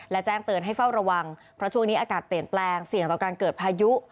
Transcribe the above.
และแจ้งเตือนให้เฝ้าระวังเพราะช่วงนี้อากาศเปลี่ยนแปลงเสี่ยงต่อการเกิดพายุ